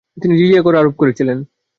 তিনি জিজিয়া কর আরোপ করেছিলেন।